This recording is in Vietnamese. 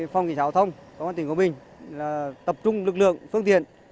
phòng kỳ giao thông công an tỉnh quảng bình tập trung lực lượng phương tiện